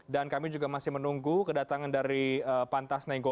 dan kami juga masih menunggu kedatangan dari pantas nenggara